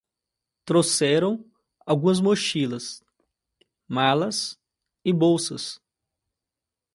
Trouxeram algumas mochilas, malas e bolsas